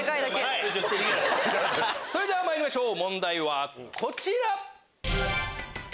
それではまいりましょう問題はこちら。